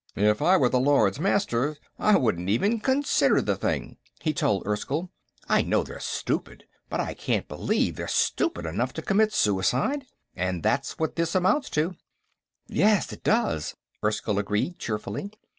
"If I were one of these Lords Master, I wouldn't even consider the thing," he told Erskyll. "I know, they're stupid, but I can't believe they're stupid enough to commit suicide, and that's what this amounts to." "Yes, it does," Erskyll agreed, cheerfully.